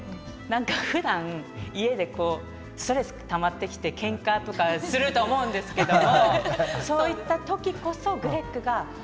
何かふだん家でストレスたまってきてけんかとかすると思うんですけどそういった時こそグレッグが川行こうよとか。